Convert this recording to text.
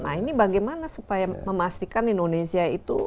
nah ini bagaimana supaya memastikan indonesia itu